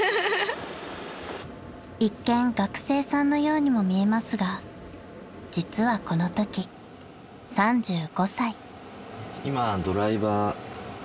［一見学生さんのようにも見えますが実はこのとき３５歳］